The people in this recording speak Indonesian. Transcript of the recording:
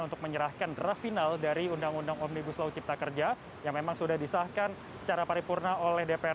untuk menyerahkan draft final dari undang undang omnibus law cipta kerja yang memang sudah disahkan secara paripurna oleh dpr